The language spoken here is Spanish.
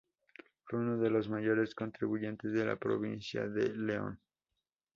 Fue uno de los mayores contribuyentes de la provincia de León.